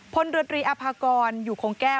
พลดริอภากรอยู่คงแก้ว